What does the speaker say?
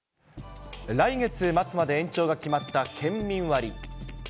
来月末まで延長が決まった県民割。